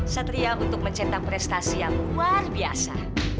satria untuk mencetak prestasi yang luar biasa